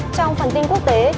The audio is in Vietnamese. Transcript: trong phần tin quốc tế